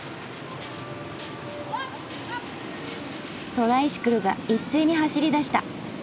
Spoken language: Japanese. トライシクルが一斉に走りだした。